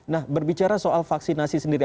nah berbicara soal vaksinasi sendiri